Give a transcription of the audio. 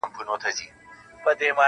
په خپل کور کي چي ورلوېږي زیندۍ ورو ورو-